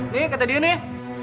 nih kata dia nih